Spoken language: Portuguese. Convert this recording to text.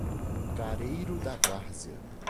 Careiro da Várzea